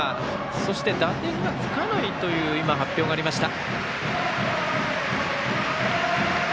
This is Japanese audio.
そして、打点がつかないという発表がありました。